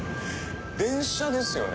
電車ですよね？